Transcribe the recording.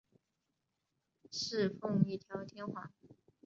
侍奉一条天皇。